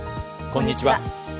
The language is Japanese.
こんにちは。